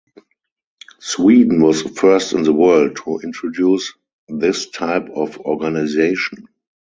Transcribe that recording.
Sweden was the first in the world to introduce this type of organisation.